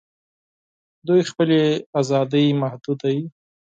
دوی خپلي آزادۍ محدودوي